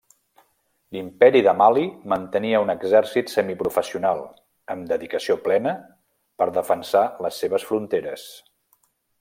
L'Imperi de Mali mantenia un exèrcit semiprofessional, amb dedicació plena, per defensar les seves fronteres.